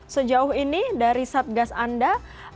sejauh ini dari satgas anda